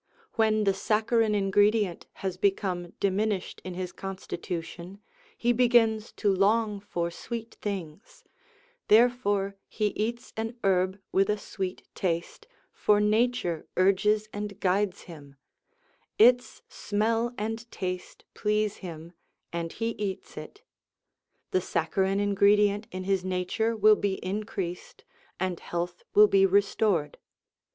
When the saccharine ingredient has become diminished in his constitution, he begins to long for sweet things ; therefore he eats an herb with a sweet taste, for nature urges and guides him; its smell and taste please him, and he eats it. The saccharine ingredient in his nature will be increased, and health will be restored.